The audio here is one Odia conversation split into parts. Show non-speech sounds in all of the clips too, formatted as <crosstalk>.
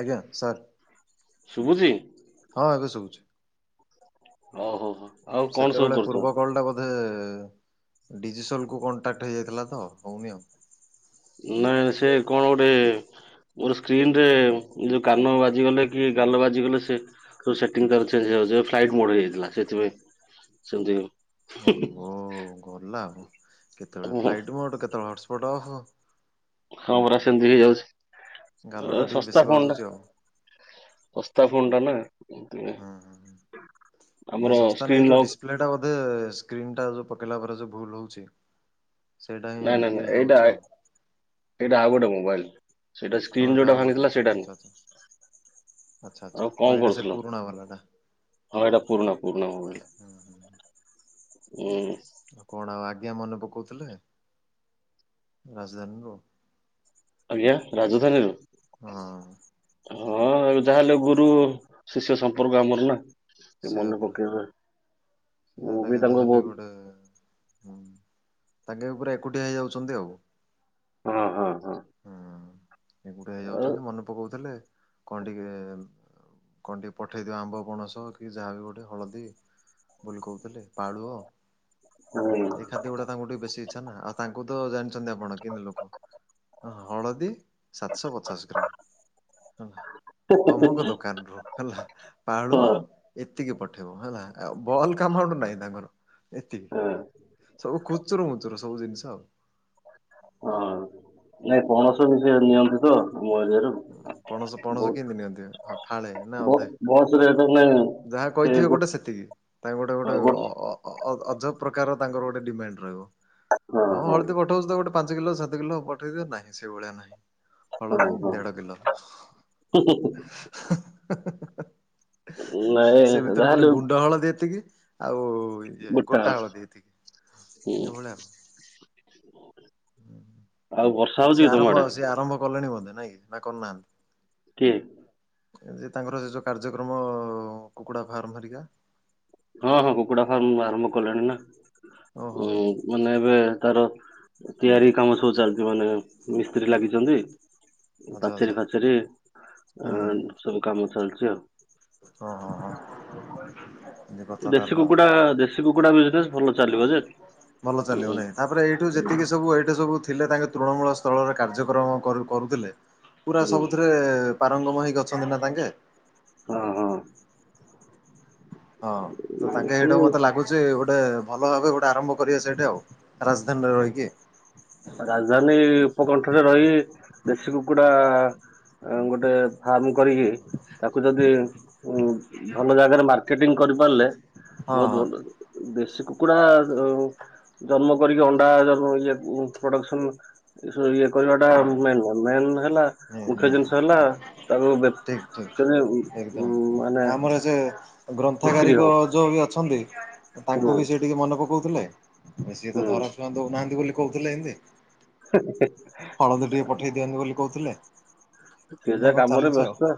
ଆଜ୍ଞା ସାର୍। ଶୁଭୁଛି ହଁ ଏବେ ଶୁଭୁଛି। ଓଃ ହୋ ହୋ। ଆଉ କଣ ସବୁ ସେତେବେଳେ କରୁଛ? ପୂର୍ବ କଲଟା ବୋଧେ ଏଁ ଡିଜିସୋଲକୁ କଣ୍ଟାକ୍ଟ ହେଇଯାଇଥିଲା ତ ହଉନି ଆଉ। ନାଇ ସେ କଣ ଗୋଟେ ମୋର ସ୍କ୍ରିନରେ ଯୋଉ କାନ ବାଜିଗଲେ କି ଗାଲ ବାଜିଗଲେ ସେ ଯୋଉ ସେଟିଙ୍ଗ ତାର ଚେଞ୍ଜ ହେଇଯାଉଚି ଆଉ ଫ୍ଲାଇଟମୁଡ୍ ହେଇଯାଇଥିଲା ସେଥିପାଇଁ ସେମିତି <inaudible> ଓ ହୋ ଗଲା ଆଉ କେତେବେଳେ ହୁଁ, ଫ୍ଲାଇଟ୍ ମୋଟ୍ କେତେବେଳେ ହଟସ୍ପଟ୍ ଅଫ୍। ହଁ ପରା ସେମତି ହେଇଯାଉଛି ଅ ଗାଲଟା ଟିକେ ବେଶୀ ଶସ୍ତା ଫୋନ ଟା। ବାଜୁଛି ଆଉ। ଶସ୍ତା ଫୋନ ଟା <inaudible> ନା ହୁଁ ହୁଁ ଆମର ସ୍କ୍ରିନ୍ ଲକ୍ ପିଲା ଟା ବୋଧେ ସ୍କ୍ରିନ୍ ଟା ଯୋଉ ପକେଇଲା ପରେ ଯଉ ଭୁଲ ହୋଉଛି। ସେଇଟା ହିଁ ନାଇଁ ନାଇଁ ନାଇଁ ଟିକେ ଇଏ ଏଇଟା ହଉଛି ଆଉ। ଏଇଟା ଆଉ ଗୋଟେ ମୋବାଇଲ ସେଇଟା ହଁ ସ୍କ୍ରିନ ଏଇଟା ଯୋଉଟା ଆଉ ଗୋଟେ ଭାଙ୍ଗିଥିଲା ସେଇଟା ଆଚ୍ଛା ଆଚ୍ଛା। ଆଚ୍ଛା ନୁହେଁ। ଆଚ୍ଛା ଆଉ ଓ କଣ ଏଇଟା ସେ କରୁଥିଲ ପୁରୁଣା ବାଲାଟା ହଁ ଏଇଟା ପୁରୁଣା ପୁରୁଣା ମୋବାଇଲ୍ ହୁଁ ହୁଁ। ଟା। ହୁଁ। କଣ ଆଉ ଆଜ୍ଞା ମନେ ପକଉଥିଲେ ରାଜଧାନୀରୁ। ଆଜ୍ଞା ରାଜଧାନୀରୁ। ହଁ ହଁ ଆଉ ଯାହା ହେଲେ ଗୁରୁ ଶିଷ୍ୟ ସମ୍ପର୍କ ଆମର ନା। ମନେ ପକେଇିବେ। ୟତା କା ଯାହା ହେଲେ ବି ଗୋଟେ ହଁ ତାଙ୍କେ ପୁରା ଏକୁଟିିଆ ହେଇଯାଉଛନ୍ତି ଆଉ। ହଁ ହଁ ହଁ। ଏକୁଟିଆ ଆଉ ହେଇଯାଉଛନ୍ତି ମନେ ପକଉଥିଲେ କଣ ଟିକେ? କଣ ଟିକେ ପଠେଇଦିଅ ଆମ୍ବ ପଣସ କି ଯାହାବି ଗୋଟେ ହଳଦୀ ବୋଲି କହୁଥିଲେ ପାଳୁଅ ହୁଁ ଏଇ ଖାଦ୍ୟ ଗୁଡାକ ତାଙ୍କୁ ଟିକେ ବେଶୀ ଇଚ୍ଛା ନା ଆଉ ତାଙ୍କୁ ତ ଜାଣିଛନ୍ତି ଆପଣ କେମିତି ଲୋକ ହଳଦୀ ସାତଶହ ପଚାଶ ଗ୍ରାମ। ହେଲା ଅମ୍ବୁକ ଦୋକାନରୁୁ। ହେଲା ପାଳୁଅ ହଁ ଏତିକି ପଠେଇବ ହେଲା ଆଉ ବଲ୍କ୍ ଆମାଉଣ୍ଟ ନାହିଁ ତାଙ୍କର। ଏତିକ ହଁ ସବୁ ଖୁଚୁର ମୁୁଚୁର ସବୁ ଜିନିଷ ଆଉ। ହଁ ନାଇଁ ପଣସ ବି ସେ ନିଅନ୍ତି ତ ମୋ ଏରିୟାରୁ। ପଣସ ପଣସ କେମତି ନିଅନ୍ତି ହଁ ଫାଳେ ନା ଅଧେ। ବସ ରେ ନେଟୱର୍କ ନାହିଁ। ଯାହା କହିଥିବେ ଗୋଟେ ସେତିକି ତାଙ୍କ ଗୋଟେ ହଁ ଗୋଟେ ଗୋ ଅ ଅ ଅ ଅ ଅଜବ ପ୍ରକାର ତାଙ୍କର ଗୋଟେ ଡିମାଣ୍ଡ ରହିବ। ହଁ ହଁ। ଯଦି ପଠଉଚୁ ତ ଗୋଟେ ପାଞ୍ଚ କିଲୋ ସାତ କିଲୋ ପଠେଇଦିଅ ନାହିଁ ସେ ଭଳିଆ ନାହିଁ। ହଁ ହଳଦୀ ହଁ। ଦେଢ କିଲ। <inaudible> ନାଇଁ ସେ ଭିତରେ ପୁଣି ଯାହାହେଲେ ଗୁଣ୍ଡ ହଳଦି ଏତିକି ଆଉ ଇଏ ଗୋଟା ହଳଦୀ ହୁଁ ଏତିକି ଏଇ ଭଳିଆଉ। <inaudible> <inaudible> ସିଏ ଆରମ୍ଭ ଆଡେ? ଆଉ ସିଏ ଆରମ୍ଭ କଲେଣି ବୋଧେ ନାଇଁକି ନା କରୁନାହାନ୍ତି। କିଏ? ଯେ ତାଙ୍କର ସେ ଯଉ କାର୍ଯ୍ୟକ୍ରମ କୁକୁଡ଼ା ଫାର୍ମ ଧରିକା। ହଁ ହଁ କୁକୁଡା ଫାର୍ମ ଆରମ୍ଭ କଲେଣି ନା ଓହୋ ଉଁ ହୋ ମାନେ ଏବେ ତାର ତିଆରି କାମ ସବୁ ଚାଲିଛି ମାନେ ମିସ୍ତ୍ରୀ ଲାଗିଛନ୍ତି। ଆଚ୍ଛା ଆଚ୍ଛା ପାଚେରି ଫାଚେରୀ ହୁଁ ଏଁ ସବୁ କାମ ଚାଲିଚି ଆଉ। ହ ହଁ ହଁ। <inaudible> ଦେଶୀ ତାହେଲେ ଆଉ କୁକୁଡା ଦେଶୀ କୁକୁଡା ବି ତେ ଭଲ ଚାଲିବ ଯେ। ଭଲ ଚାଲିବ ହୁଁ ନାଇଁ ତାପରେ ଏଇଠୁ ଯେତିକି ସବୁ ଏଇଠୁ ସବୁ ଥିଲେ ତାଙ୍କେ ତୃଣମୂଳ ସ୍ଥଳରେ କାର୍ଯ୍ୟକ୍ରମ କରୁ କରୁଥିଲେ ପୁରା ହୁଁ ସବୁଥିରେ ପାରଙ୍ଗମ ହୋଇକି ଅଛନ୍ତି ନା ତାଙ୍କେ ହଁ ହଁ। ହଁ ତ ତାଙ୍କେ ଏଇଟା ହଁ। ମତେ ଲାଗୁଛି। ଟ୍ରେକଗୋଟେ ଭଲ ଭାବେ ଗୋଟେ ଆରମ୍ଭ କରିବାସଇଠି ଆଉ ରାଜଧାନୀରେ ରହିକି। ରାଜଧାନୀ ଉପକଣ୍ଠରେ ରହି ଦେଶୀ କୁକୁଡ଼ା ଗୋଟେ ଫାର୍ମ କରିକି ତାକୁ ଯଦି ଭଲ ଜାଗାରେ ମାର୍କେଟିଂ କରିପାରିଲେ। ନ ହଁ ବହୁତ ହଁ ବନ୍ଦ। ଦେଶୀ କୁକୁଡା ଜନ୍ମ କରିକି ଅଣ୍ଡା ଜନ୍ମ ୟାକୁ ପ୍ରଡକ୍ସନ୍ ଇଏ କରିବା ଟା ମ ମେନ୍ ନୁହଁ ସେନ ହେଲା ମୁଖ୍ୟ ନି ଜିନିଷ ହେଲା ତାକୁ ବେ ଠିକ ଠିକ ମାନେ ଉ ମାନେ ବିକ୍ରି ଗ୍ରନ୍ଥଗାରିକ ହଉ ଯୋଉ ବି ଅଛନ୍ତି ତାଙ୍କୁ ହୁଁ ବି ସେ ଟିକେ ମନେ ପକାଉଥିଲେ। ସିଏ ତ ହୁଁ ଧରା ଛୁଆ ଦଉନାହାନ୍ତି ବୋଲି କହୁଥିଲେ ଏମିତି। ହଳଦୀ ଟିକେ ପଠେଇ ଦିଅନ୍ତୁ ବୋଲି କହୁଥିଲେ। ଯିଏ ଏମିତି ଯା ତାଙ୍କର କାମରେ ଚାଲିଛି ଆଉ ବ୍ୟସ୍ତ।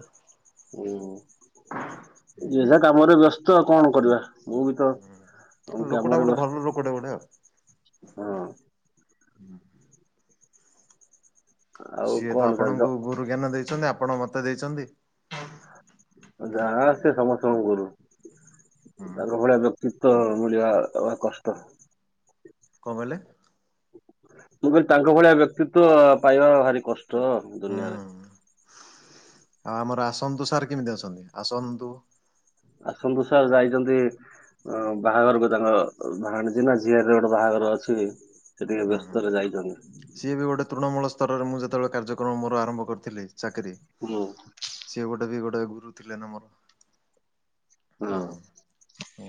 ଯେଝା ହୁଁ କାମରେ ବ୍ୟସ୍ତ ଆଉ କଣ କରିବା? ମୁଁ ବି ତ ଲୋକଟା କାମରେ ଗୋଟେ ଭଲ ବ୍ୟସ୍ତ। ଲୋକଟେ ପଠାଅ। ହଁ। ଆଉ ସିଏ ତ କଣ କା ଆପଣଙ୍କୁ ଗୁରୁ ଜ୍ଞାନ ଦେଇ ଚନ୍ତି ଆପଣ ମତେ ଦେଇଚନ୍ତି। ଯା ଆସେ ସମସ୍ତଙ୍କୁ ଗୁରୁ କଣ ତାଙ୍କ ଭଳିଆ ଲୋ ତ ମିଳିବା ଭାରି କଷ୍ଟ। କଅଁ କହିଲେ? ମୁଁ କହିଲି ତାଙ୍କ ଭଳିଆ ବ୍ୟକ୍ତିତ ପାଇବା ଭାରି କଷ୍ଟ ହୁଁ ଦୁନିଆରେ। ଆଉ ଆମର ଆସନ୍ତୁ ସାର୍ କେମିତି ଅଛନ୍ତି ଆସନ୍ତୁ। ଆସନ୍ତୁ ସାର୍ ଯାଇଛନ୍ତି ହ ବାହାଘର ବି ତାଙ୍କ ଭାଣିଜି ନା ଝିଅରର ଗୋଟେ ବାହାଘର ଅଛି। ସିଏ ହୁଁ ହୁଁ ବ୍ୟସ୍ତ ରେ ଯାଇଛନ୍ତି। ସିଏ ବି ଗୋଟେ ତୃଣମୂଳ ସ୍ତରରେ ମୁଁ ଯେତେବେଳେ କାର୍ଯ୍ୟକ୍ରମ ମୋର ଆରମ୍ଭ କରିଥିଲି ଚାକିରି। ହୁଁ ସିଏ ଗୋଟେ ବି ଗୋଟେ ଗୁରୁ ଥିଲେ ନା ମୋର। ହୁଁ ହଁ ହୁଁ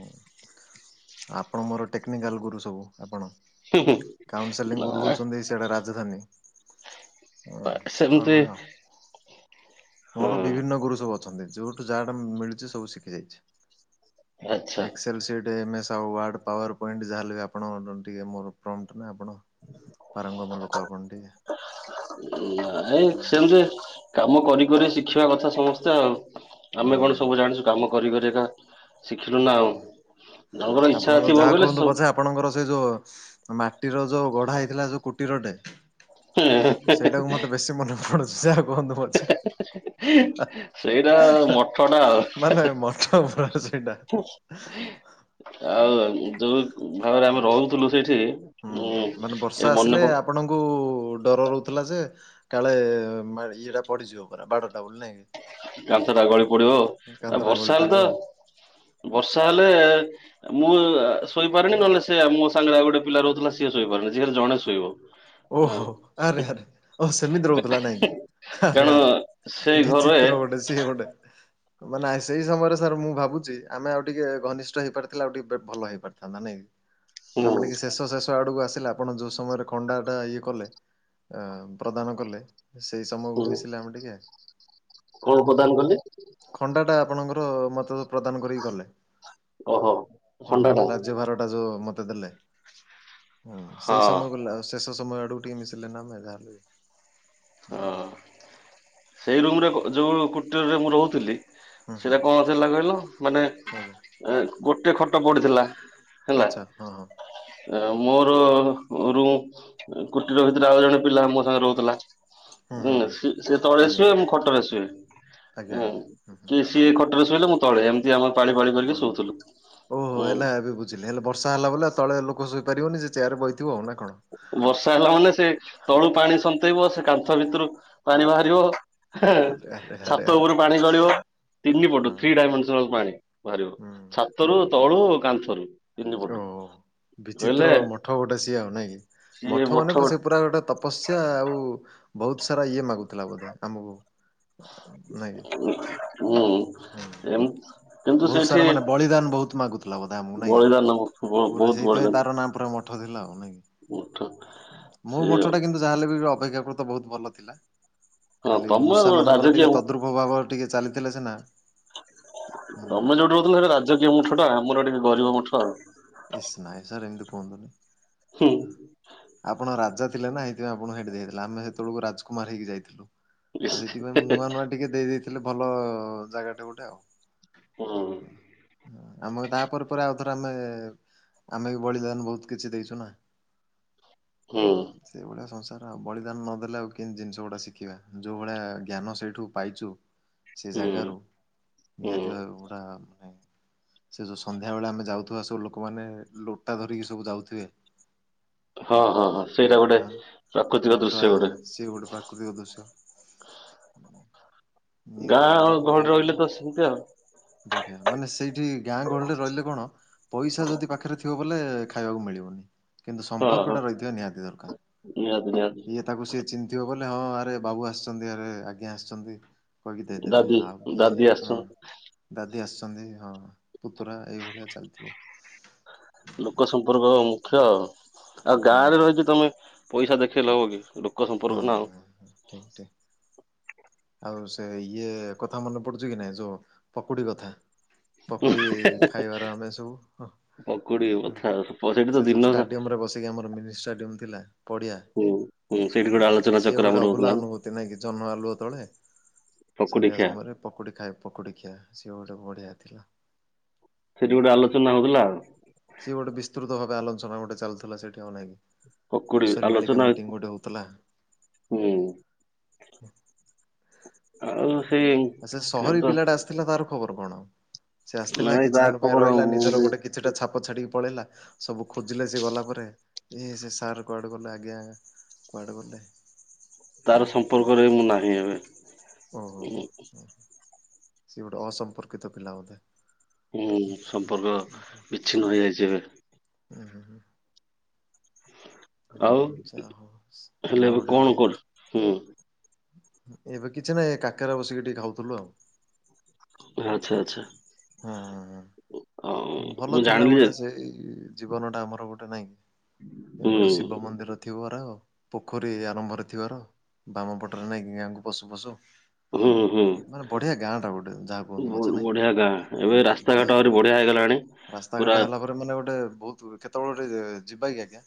ଆପଣ ମୋର ଟେକ୍ନିକାଲ ଗୁରୁ ସବୁ ଆପଣ। ହୁଁ ହୁଁ କାଉନସେଲିଂ ନା ଗୁରୁ ହେଉଛନ୍ତି ସେଆଟା ରାଜଧାନୀ। ଓ ଆଉ ସେମିତି ଭଳିଆ ହଁ ମୋର ବିଭିନ୍ନ ଗୁରୁ ସବୁ ଅଛନ୍ତି ଯୋଉଠୁ ଯାହାଟା ମିଳୁଛି ସବୁ ଶିଖି ଯାଇଛି। ଆଚ୍ଛା। Excel sheet MS. Word PowerPoint ଯାହାହଲେ ବି ଆପଣ ଟିକେ ମୋର ପ୍ର ଆପଣ ପାରଙ୍ଗମ ଲୋକ ଆପଣ ଟିକେ। ଏ ହୁଁ। ସେମିତି କାମ କରି କରି ଶିଖିବା କଥା ସମସ୍ତେ ଆଉ। ଆମେ କଣ ସବୁ ହୁଁ ଜାଣିଛୁ କାମ କରି କରି କା ଶିଖିଲୁ ନା ଆଉ ମନରେ ଇଚ୍ଛା ଆପଣଙ୍କର ଥିବ ଯାହା ବୋଲେ ସେ କୁହନ୍ତୁ ସବୁ ପଛେ ଆପଣଙ୍କର ସେଇ ଯୋଉ ମାଟିର ଯୋଉ ଗଢା ହେଇଥିଲା ଯୋଉ କୁଟୀରଟେ ହେଁ ହେଁ। ସେଇଟାକୁ ମତେ ବେଶୀ ମନେ ପଡୁଛି ଯେ ଯାହା କୁହନ୍ତ ପଛେ। ସେଇଟା ମଠ ଟା ଆଉ ମାନେ ମଠ ପୁରା ସେଇଟା। ହେଁ ହେଁ। ଆଉ ଯୋଉ ଭାବରେ ଆମେ ହୁଁ ରହୁଥିଲୁ ସେଇଠି ଉଁ ମାନେ ବର୍ଷା ଏବେ ମନେ ଆସିଲେ ଆପଣଙ୍କୁ ଡର ରହୁଥିଲା ଯେ କାଳେ ମା ଇଏଟା ପଡିଯିବ ପୁରା ବାଡଟା ବୁଲି ନାଇଁ କି? କାନ୍ଥ ଟା ଗଳି ପଡିବ। ଆଉ କାନ୍ଧଟା ଗଳି ବର୍ଷା ହେଲେ ପଡିବ। ତ ବର୍ଷା ହେଲେ ମୁଁ ଶୋଇପାରନି ନହେଲେ ସେ ମୋ ସାଙ୍ଗରେ ଆଉ ଗୋଟେ ପିଲା ରହୁଥିଲା ସିଏ ଶୋଇପାରେନି ସେ ଜଣେ ଶୋଇବ। ହଁ ଓହୋ ଆରେ ଆରେ ଓ ସେମିିତ ରହୁଥିଲା ନାଇଁ କି। କାରଣ ସେଇ ଆରେଆରେ ଘରେ ବିଚିିତ୍ର ଗୋଟେ ସେ ଗୋଟେ ମ ନା ସେଇ ସମୟରେ ସାର୍ ମୁଁ ଭାବୁଛି ଆମେ ଆଉ ଟିକେ ଘନିଷ୍ଠ ହେଇପାରିଥିଲା ଆଉ ଟିକେ ବେ ଭଲ ହେଇ ପାରିଥାନ୍ତା। ନାଇଁ କି? ହୁଁ ଆମେ ଟିକେ ଶେଷ ଶେଷ ଆଡକୁ ଆସିଲେ ଆପଣ ଯୋଉ ସମୟରେ ଖଣ୍ଡା ଟା ଇଏ କଲେ ଅ ପ୍ରଦାନ କଲେ। ସେଇ ସମୟକୁ ହୁଁ ମିଶିଲା ଆମେ ଟିକେ। କଣ ପ୍ରଦାନ କଲେ ଖଣ୍ଡା ଟା ଆପଣଙ୍କର ମତଲ ପ୍ରଦାନ କରିକି ଗଲେ ଓହୋ ହଁ ହଣ୍ଡା ଟା। ରାଜ୍ୟଭାର ଟା ଯୋଉ ମତେ ଦେଲେ। ହୁଁ ହଁ ସେଇ ସମୟ ଗଲା, ଶେଷ ସମୟ ଆଡୁ ଟିକେ ମିଶିଲେ ନାମେ ଯହେଲେ। ହଁ ସେଇ ରୁମରେ ଯୋଉ କୁଟୀରରେ ମୁଁ ରହୁଥିଲି ହୁଁ ହୁଁ ସେଟା କଣ ଥିଲା କହିଲ ମାନେ ଆଜ୍ଞା ଗୋଟେ ଖଟ ପଡିିଥିଲା। ଆଚ୍ଛା ହଁ ହଁ। ମୋର ରୁମ କୁଟୀର ଭିତରେ ଆଉ ଜଣେ ପିଲା ମୋ ସାଙ୍ଗେ ରହୁଥିଲା। ହୁଁ ସେ ତଳେ ଆଜ୍ଞା। ସୁଏ ମୁଁ ଖଟରେ ସୁଏ। ଆଜ୍ଞା ଆଜ୍ଞା ହୁଁ ହୁଁ ସିଏ ଖଟରେ ଶୋଇଲେ ମୁଁ ତଳେ ଏମିତି ଆମର ପାଳି ପାଳି କରିକି ଶୋଉଥିଲୁୁ। ବଝିଲେ ହେଲେ ବର୍ଷା ହେଲା ବଲେ ଆଉ ତଳେ ଲୋକ ଶୋଇପାରିବନି ଯେ ଚେୟରେ ବହିଥିବ ଆଉ ନା କଣ? ବର୍ଷା ହେଲା ମାନେ ସେ ତଳୁ ପାଣି ସନ୍ତେଇବ ସେ କାନ୍ଥ ଭିତରୁ ପାଣି ବାହାରିବ। ଆରେ ଆରେ ଆରେ ଛାତ ଆରେ ଉପରୁ ପାଣି ଗଳିବ ତିନି ପଟ ହଁ ଥ୍ରୀଡାଇମେସ ପାଣି। ବାହାରିବ, ହୁଁ ଓ ଛାତରୁ ତଳୁ କାନ୍ଥରୁ। ତିନି ଓ ପଟୁ କହିଲେ ବିଚିତ୍ର ମଠ ଗୋଟେ ସିଏ ଆଉ ନାଇଁ କି? ସିଏ ମଠ ମାନେ ହୁଁ ସେ ପୁରା ଗୋଟେ ତ ତପସ୍ୟା ଆଉ ବହୁତ ସାରା ଇଏ ମାଗୁଥିଲା ବୋଧେ ଆମକୁ। ନାଇଁ କି? ହୁଁ ହୁଁ ଏମ କିନ୍ତୁ ବହୁତ ସେଇଠି ସାରା ମାନେ ବଳିଦାନ ବହୁତ ମାଗୁଥିଲା ବୋଧେ ଆମକୁ ନଇଁ କି ବଳିଦାନ ପୁରା ବହୁତ ସେଇଥିପାଇଁ ତାର ନାଁ ପୋରା ମ ମଠ ଥିଲା ଆଉ। ନାଇଁ କି? ମୁଠ ମୋ ମଠଟା କିନ୍ତୁ ଯାହାଲେବ ଅପେକ୍ଷାକୃତ ବହୁତ ଭଲ ଥିଲା। ଖାଲି ତମ ମୂଷା ମାନଙ୍କର ରାଜକୀୟ ଟିକେ ତଦ୍ରୁପ ଭାବ ଟିକେ ଚାଲିଥିଲେ ସିନା ହୁଁ। ତମେ ଯୋଉଠି ରହୁଥିଲ ସେଟା ରାଜକୀୟ ମଠ ଟା ଆମର ଟିକେ ଗରିବ ମଠ ଆଉ। ଇସ୍‌ନାଇଁ ସାରେ ଏମିତି କୁହନ୍ତୁନି। ହୁଁ। ଆପଣ ରାଜା ଥିଲେ ନା ଏଇଥିପାଇଁ ଆପଣ ସେଇଠି ଦେଇଥିଲେ ଆମେ ସେତେବେଳକୁ ରାଜକୁମାର ହେଇକି ଯାଇଥିଲୁ। ତ ସେଇଥିପାଇଁ ମୁଁ ନୂଆ ନୂଆ ଟିକେ ଦେଇ ଦେଇେଇଥିଲି ଭଲ ଜାଗାଟେ ଗୋଟେ ଆଉ। ହୁଁ। ଆମ ତାପରେ ପରେ ଆଉ ଥରେ ଆମେ ଆମେ ବି ବଳିଦାନ ବହୁତ କିଛି ଦେଇଚୁନା। ହୁଁ ସେଇଭଳିଆ ସଂସାର ଆ ବଳିଦାନ ନଦେଲେ ଆଉ କେମିତି ଜିନିଷ ଗୁଡ଼ା ଶିଖିବା। ଯେଉଁ ଭଳିଆ ଜ୍ଞାନ ସେଇଠୁ ପାଇଚୁ ସେ ହୁଁ। ଜାଗାରୁ ହୁଁ ନିହାତି ଭବେ ଗୁଡା ମାନେ ସେ ଯଉ ସନ୍ଧ୍ୟାବେଳେ ଆମେ ଯାଉଥିବା ସବୁ ଲୋକମାନେ ଲୋଟା ଧରିକି ସବୁ ଯାଉଥିବେ। ହଁ ହଁ ହଁ ସେଇଟା ଗୋଟେ ହଁ ପ୍ରାକୃତିକ ଦୃଶ୍ୟ ଗୋଟେ। ଅଧିକ ଦୃଶ୍ୟ ନିହାତି ଗାଁ ଆଉ ଘରେ ଭାବେ ବ ରହିଲେ ତ ସେମିତି ଆଉ। ବଢିଆ। ମାନେ ସେଇଠି ଗାଁ ଗହଳିରେ ରହିଲେ କଣ ପଇସା ଯଦି ପାଖରେ ଥିବ ବଲେ ଖାଇବାକୁ ମିଳିବନି। କିନ୍ତୁ ହଁ ସମ୍ପର୍କ ହଁ ଟା ରହିଥିବା ନିହାତି ଦରକାର। <unintelligible> ଇଏ ତାକୁ ସିଏ ଚିହ୍ନିଥିବ ବଲେ ହଁ ଆରେ ବାବୁ ଆସିଚନ୍ତି ଆରେ ଆଜ୍ଞା ଆସିଚନ୍ତି। ଦାଦି ଦାଦି। <unintelligible> ଦାଦି ଆସିଚନ୍ତି ହଁ ପୁତୁରା ଏଇଭଳିଆ ଚାଲିଥିବ। ଲୋକ ସମ୍ପର୍କ ମୁଖ୍ୟ ଆଉ। ଆଉ ହଁ ଗାଁରେ ହଁ। ରହିକି ତମେ ପଇସା ଦେଖେଇଲେ ହବ କି, ଲୋକ ସମ୍ପର୍କ ନା ଆଉ। ହଁ <unintelligible> ଆଉ ସେ ଇଏ କଥା ମନେ ପଡୁଚି କି ନାଇଁ ଯୋଉ ପକୁଡି କଥା? ପକୁଡି ଖାଇବାର ଆମେ ସବୁ, ପକୁଡି କଥା ସେଇଠି ତ ସେ ଯୋଉ ଦିନ ସା ଷ୍ଟାଡିୟମ ରେ ବସି ଆମର ମିନି ଷ୍ଟାଡ଼ିୟମ୍ ଥିଲା ପଡ଼ିଆ <unintelligible> ଗୋଟେ ଆଲୋଚନା ସିଏ ଚକ୍ର ଗୋଟେ ଆମର ଅଭୁଲା ହଉଥିଲା ନା। ଅନୁଭୂତି ନାଇଁ କି ଜନ୍ମ ଆଲୁଅ ତଳେ। ପକୁଡି ସନ୍ଧ୍ୟା ଖିଆ ସମୟରେ ପକୁଡ଼ି ଖାଏ ପକୁଡ଼ି ଖିଆ, ସିଏ ଗୋଟେ ବଢିଆ ଥିଲା। ସେଠି ଗୋଟେ ଆଲୋଚନା ହଉଥିଲା ଆଉ। ସିଏ ଗୋଟେ ବିସ୍ତୃତ ଭାବେ ଆଲୋଚନା ଗୋଟେ ଚାଲିଥିଲା ସେଇଠି ହଁ ନାଇଁ କି। ପକୁଡି କିଶୋରୀ ବାଳିକା ଆଲୋଚନା ମିଟିଂ ଗୋଟେ ହଉ ହୁଁ ଆଉ <unintelligible> ସେଇ ଆ ସେ ଏବେ ସହରୀ ତ ପିଲାଟା ଆସିଥିଲା ତାର ଖବର କଣ? ସେ ଆସିଥିଲା ନାଇଁ କିଛି ତା ଦିନ ପାଇଁ ଖବର ରହିଲା, ମୁଁ ନିଜର ବି ଗୋଟେ କି ଛି ଟା ଛାପ ଛାଡିକି ପଳେଇଲା। ସବୁ ଖୋଜିଲେ ସେ ଗଲା ପରେ। ସେ ସାର୍ କୁଆଡେ ଗଲେ ଆଜ୍ଞା। କୁଆଡ଼େ ଗଲେ? ତାର ସମ୍ପର୍କରେ ମୁଁ ନାହିଁ ଏବେ। ଓହୋ ସିଏ ଗୋଟେ ଅସମ୍ପର୍କିତ ପିଲା ବୋଧେ। ହୁଁ ସମ୍ପର୍କ ବିଚ୍ଛିନ୍ନ ହୋଇଯାଇଚି ଏବେ। ଉଁ ହୁଁ ହୁଁ। ହୁଁ ଆଉ ଯା ହଉ। ହେଲେ ଆଉ ଏବେ ଗୋଟେ କଣ କରୁ ହୁଁ। ଏବେ କିଛି ନାହିଁ କାକରା ବସିକି ଟିକେ ଖାଉଥିଲୁ ଆଉ। ଓ ଆଚ୍ଛା ଆଚ୍ଛା। ହୁଁ। ଆଉ ଭଲ ମୁଁ ଥିଲା ଜାଣିଲି ଯେ ଗୋଟେ ସେଇ ଜୀବନଟା ଆମର ଗୋଟେ ନାଇଁ। ହୁଁ ଏପଟୁ ଶିବ ମନ୍ଦିର ଥିବାର ପୋଖରୀ ଆରମ୍ଭ ରେ ଥିବାର ବାମ ପଟରେ ନାଇଁ କି ଗାଁକୁ ପଶୁ ପଶୁ ହୁଁ। ହୁଁ। ମାନେ ବଢିଆ ଗାଁ ଟା ଗୋଟେ ଯାହା କୁହନ୍ତୁ ପଛେ ନାଇଁ ବଢିଆ ଗାଁ। ଏବେ ବଢିଆ ରାସ୍ତାଘାଟ ଗାଁ ଆହୁରି ଟା ବଢିଆ ଗୋଟେ। ହେଇଗଲାଣି। ପୁରା ରାସ୍ତାଘାଟ ହେଲା ପରେ ମାନେ ଗୋଟେ ବହୁତ୍। କେତେବେଳେ ଗୋଟେ ଯିବା କି ଆଜ୍ଞା?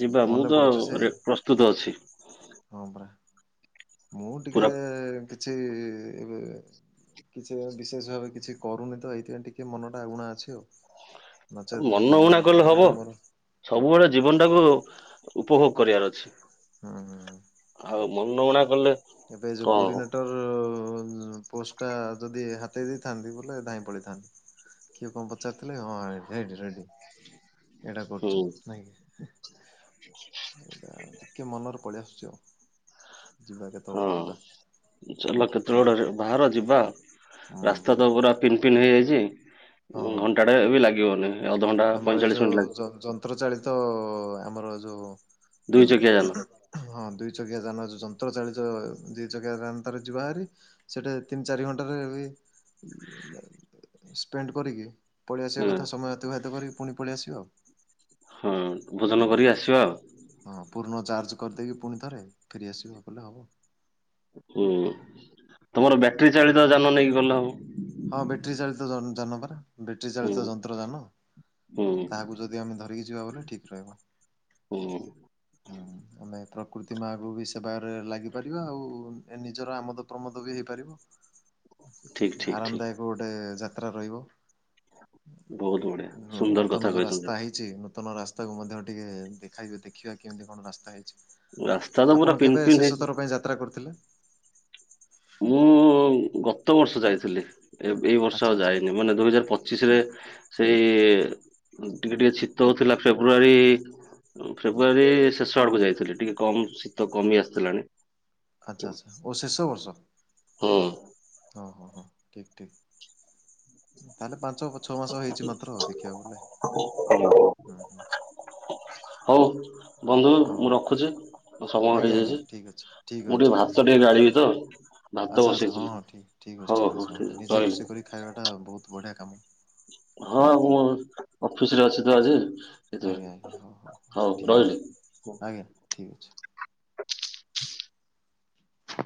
ଯିବା ମୁଁ ମନେ ତ ପଡୁଛି ସେ ରେ ପ୍ରସ୍ତୁତ ଅଛି। ହଁ ପରା। ମୁଁ ଟିକେ ପୁରା କିଛି ଏବେ କିଛି ବିଶେଷ ଭାବେ କିଛି କରୁନି ତ, ଏଇଥିପାଇଁ ଟିକେ ମନ ଟା ଊଣା ଅଛି ଆଉ। ନଚେତ୍ ମନ ଊଣା କଲେ ହବ। ମନଟା ମୋର ସବୁବେଳେ ଜୀବନ ଟାକୁ ଉପଭୋଗ କରିବାର ଅଛି। ହୁଁ। ଆଉ ମନଊଣା କଲେ ଏବେ ଏ ଯୋଉ କଣ ହବ କୋର୍ଡିିନେଟର୍ ଉଁ ପୋଷ୍ଟ ଟା ଯଦି ହାତେଇ ଦେଇଥାନ୍ତି, ବୋଲେ ଧାଇଁ ପଳେଇଥାନ୍ତି। କିଏ କଣ ପଚାରଥିଲେ ହଁ ରେଡି ରେଡି। ଏଇଟା କରୁଛୁ ହୁଁ ନାଇଁ କି। ଏଇଟା <inaudible> ଟିକେ ମନରେ ପଳେଇ ଆସୁଛି ଆଉ ଯିବା କେତେବେଳେ ହଁ ଗୋଟେ ଯିବା ଚାଲ କେତେବେଳେ ବାହାର ଯିବା ହୁଁ। ରାସ୍ତା ତ ପୁରା ପିନ୍ ପିନ୍ ହେଇଯାଇଛି ହଁ ଘଣ୍ଟା ଟା ଏ ବି ଲାଗିବନି ଅଧଘଣ୍ଟା ପଇଁଚାଳିଶ ମିନିଟ୍ ଲାଗ ତ୍ର ଚାଳିତ ଆମର ଯୋଉ ଦୁଇ ଚକିଆ ଯାନ। ହଁ ଦୁଇ ଚକିଆ ଯାନ ଯନ୍ତ୍ର ଚାଳିତ ଦୁଇ ଚକିଆ ଯାନ ତାର ଯିବହାରି। ସେଟା ତିନି ଚାରି ଘଣ୍ଟାରେ ବି ହା। ସ୍ପେଣ୍ଡ କରିକି ପଳେଇ ଆସିବା କଥା ସମୟ ଅତିବାହିତ କରିକି ପୁଣି ପଳେଇ ଆସିବା ଆଉ। ହଁ, ଭୋଜନ କରିକି ଆସିବା। ହଁ, ପୂର୍ଣ୍ଣ ଚାର୍ଜ କରିଦେଇକି ପୁଣି ଥରେ ଫେରି ଆସିବ କଲେ ହବ। ହୁଁ, ହୁଁ ତମର ବ୍ୟାଟେରୀ ଚାଳିତ ଜାନ ନେଇକି ଗଲେ ହବ। ହଁ ବ୍ୟାଟେରୀ ଚାଳିତ ଜାନ ପରା ବେଟିରି ହୁଁ ଚାଳିତ ଯନ୍ତ୍ର ଜାନ। ହୁଁ। କାହାକୁ ଯଦି ଆମେ ଧରିକି ଯିବା ବଲେ ଠିକ୍ ରହିବ। ଉଁ। ହୁଁ ଆମେ ପ୍ରକୃତି ମାକୁ ବି ସେବା ରେ ଲାଗିପାରିବା ଆଉ ନିଜର ଆମ ପ୍ରମୋଦ ବି ହେଇପାରିବ। ଠିକ ଠିକ ଠିକ ଆରାମଦାୟକ ଗୋଟେ ଯାତ୍ରା ରହିବ। ବହୁତ ବଢିଆ ନୁ ସୁନ୍ଦର କଥା ନୂତନ ଯୋଉ କହିଛନ୍ତି। ରାସ୍ତା ହେଇଛି ନୂତନ ରାସ୍ ତାକୁ ମଧ୍ୟ ଟିକେ ଦେଖାଇ ଦେଖିବା କେମିତି କଣ ରାସ୍ତା ହେଇଛି। ରାସ୍ତା ତ ପୁରା ଆପଣ ପିନ୍ କେବେ ପିନ୍ ହେଇଛି ଶେଷ ଥର ପାଇଁ ଯାତ୍ରା କରଥିଲେ? ମୁଁ ଗତ ବର୍ଷ ଯାଇଥିଲି, ଏଇ ଦୁଇବର୍ଷ ଆଚ୍ଛା ଆଉ ଆଚ୍ଛା ଯାଇନି ମାନେ ଦୁଇ ହଜାର ପଚ ଚିଶ ରେ ସେଇ ଟିକେ ଟିକେ ଶୀତ ହଉଥିଲା ଫେବୃଆରୀ ଫେବୃଆାରୀ ଶେଷ ଆଡକୁ ଯାଇଥିଲି ଟିକେ କମ ଶୀତ କମି ଆସିଥିଲାଣି। ଆଚ୍ଛା ଆଚ୍ଛା, ଓ ଶେଷ ବର୍ଷ। ହୁଁ। ହଁ ହଁ ହଁ, ଠିକ ଠିକ। ତାହେଲେ ପାଞ୍ଚ ଛଅ ମାସ ହେଇଛି ମାତ୍ର ଦେଖିବାକୁ ଗଲେ, ହଁ। ହୁଁ ହୁଁ। ହଉ ବନ୍ଧୁ ହଉ ମୁଁ ରଖୁଛି। ସମୟ ହେଇ ଆଜ୍ଞା ଆଜ୍ଞା ଯାଇଚି, ଠିକ୍ ଅଛି ଠିକ୍ ଅଛି ମୁଁ ଟିକେ ଠିକ୍ ଭାତ ଅଛି। ଟିକେ ଗାଳିବି ତ। ଭାତ ଆଚ୍ଛା ଆଚ୍ଛା, ହଁ ବସେଇଥିଲି। ହଁ, ଠିକ ଠିକ୍ ଅଛି ହଉ ଠିକ୍ ହଉ ଅଛି ହଁ ଠିକ ନିଜେ ରହିଲି ରୋଷେଇ କରି ଖାଇବାଟା ବହୁତ ବଢ଼ିଆ କାମ। ହଁ ନିହାତି ମୁଁ ଭାବେ ଅଫିସ ରେ ଅଛି ତ ଆଜି ଆଜ୍ଞା ଆଜ୍ଞା ସେଇଥିପାଇଁ। ହଉ ହଉ ଠିକ୍ ରହିଲି। ଅଛି ଆଜ୍ଞା ଠିକ୍ ଅଛି।